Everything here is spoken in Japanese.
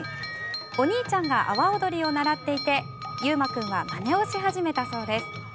お兄ちゃんが阿波おどりを習っていて悠真君がまねをし始めたそうです。